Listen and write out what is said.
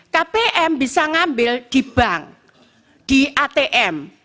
kpm bisa ngambil di bank di atm